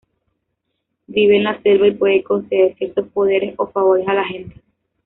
Vive en la selva y puede conceder ciertos poderes o favores a la gente.